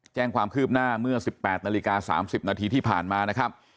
แจ้งความคืบหน้าเมื่อ๑๘นาฬิกา๓๐นาทีที่ผ่านมานะครับ